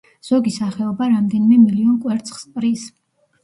ზოგი სახეობა რამდენიმე მილიონ კვერცხს ყრის.